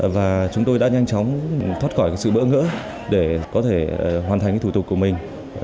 và chúng tôi đã nhanh chóng thoát khỏi sự bỡ ngỡ để có thể hoàn thành thủ tục của mình